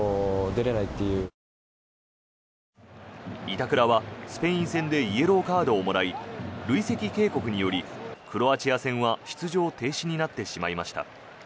板倉はスペイン戦でイエローカードをもらい累積警告によりクロアチア戦は出場停止になってしまいました。